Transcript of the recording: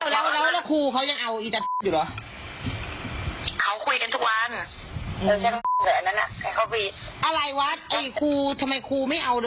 แล้วไอ้พี่น้องครูกับครูว่าพี่ว่าอีฟ้าเป็นสมบูรณ์การ